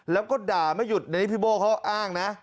แล้วก็ด่าไม่หยุดอันนี้พี่โบ้เขาอ้างนะ